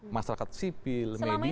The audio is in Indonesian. masyarakat sipil media